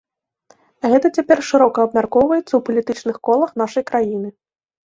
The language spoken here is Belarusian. Гэта цяпер шырока абмяркоўваецца ў палітычных колах нашай краіны.